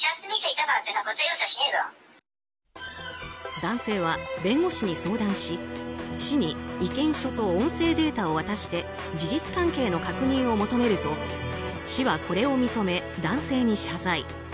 男性は弁護士に相談し市に意見書と音声データを渡して事実関係の確認を求めると市はこれを認め、男性に謝罪。